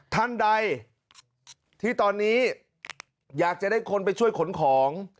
ท่านใดที่ตอนนี้อยากจะได้คนไปช่วยขนของ